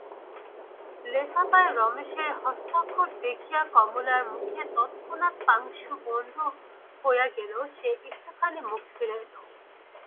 লেফাফায় রমেশের হস্তাক্ষর দেখিয়া কমলার মুখ তৎক্ষণাৎ পাংশুবর্ণ হইয়া গেল–সে একটুখানি মুখ ফিরাইল।